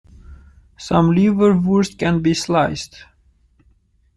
Some liverwursts can be sliced.